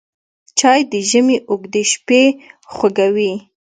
چای د ژمي اوږدې شپې خوږوي